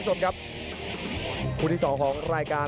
ส่วนหน้านั้นอยู่ที่เลด้านะครับ